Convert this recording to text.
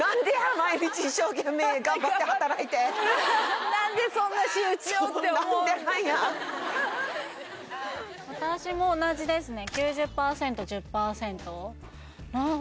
毎日一生懸命頑張って働いて何でそんな仕打ちをって思うそう何でなんや私も同じですね